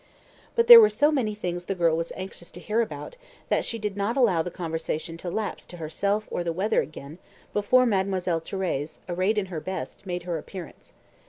But there were so many things the girl was anxious to hear about, that she did not allow the conversation to lapse to herself or the weather again before Mademoiselle Thérèse, arrayed in her best, made her appearance.